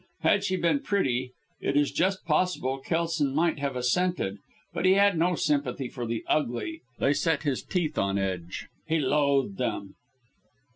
Had she been pretty, it is just possible Kelson might have assented, but he had no sympathy with the ugly they set his teeth on edge he loathed them.